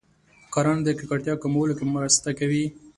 کرنه د ککړتیا کمولو کې مرسته کوي.